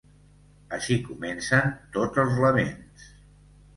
Així comencen tots els laments.